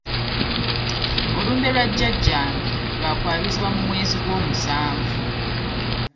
Olumbe lwa jjajjange lwa kwabizibwa mu mwezi ogw'omusanvu.